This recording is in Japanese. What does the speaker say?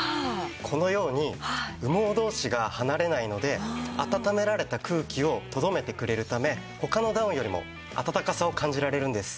このように羽毛同士が離れないのであたためられた空気をとどめてくれるため他のダウンよりもあたたかさを感じられるんです。